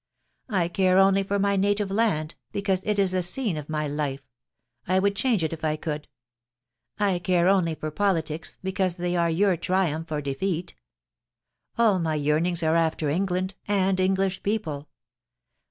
I care only for my native land because it is the scene of my life — I would change it if I could. I care only for politics because they are your triumph or defeat. All my yearnings are after England, and English people.